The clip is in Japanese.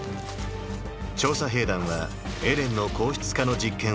調査兵団はエレンの硬質化の実験を進めていた。